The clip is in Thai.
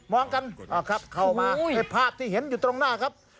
องกันเข้ามาในภาพที่เห็นอยู่ตรงหน้าครับ